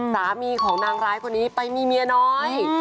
สามีของนางร้ายคนนี้ไปมีเมียน้อย